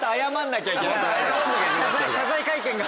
謝罪会見が。